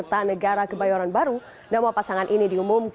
terima kasih pak